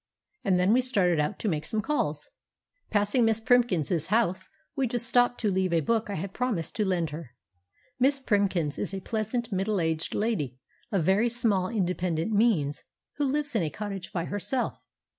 And then we started out to make some calls. Passing Miss Primkins' house, we just stopped to leave a book I had promised to lend her. Miss Primkins is a pleasant middle aged lady, of very small independent means, who lives in a cottage by herself.